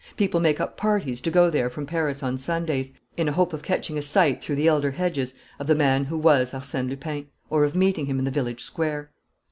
People make up parties to go there from Paris on Sundays, in the hope of catching a sight, through the elder hedges, of the man who was Arsène Lupin, or of meeting him in the village square.